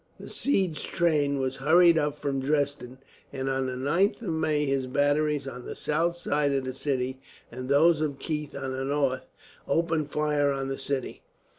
The siege train was hurried up from Dresden, and on the 9th of May his batteries on the south side of the city, and those of Keith on the north, opened fire on the city.